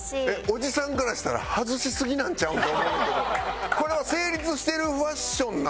おじさんからしたらハズしすぎなんちゃうん？って思うんやけどこれは成立してるファッションなんですねじゃあ。